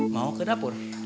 mau ke dapur